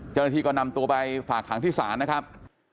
เจ้าหน้าที่ก็นำตัวไปฝากหางที่ศาลนะครับ